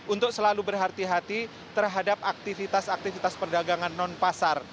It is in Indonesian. untuk selalu berhati hati terhadap aktivitas aktivitas perdagangan non pasar